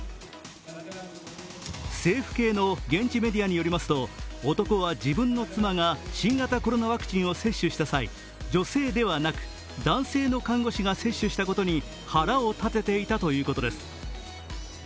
政府系の現地メディアによりますと、男は自分の妻が新型コロナワクチンを接種した際女性ではなく男性の看護師が接種したことに腹を立てていたということです。